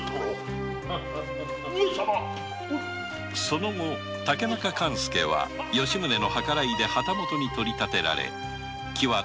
その後竹中勘助は吉宗の計らいで旗本に取り立てられ喜和